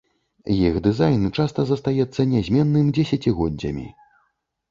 Іх дызайн часта застаецца нязменным дзесяцігоддзямі.